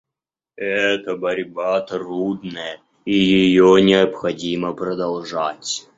Эта борьба трудная, и ее необходимо продолжать.